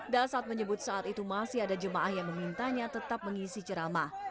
dasat menyebut saat itu masih ada jemaah yang memintanya tetap mengisi ceramah